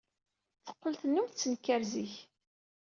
Teqqel tennum tettenkar zik.